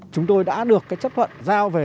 chúng tôi đã được chấp thuận giao về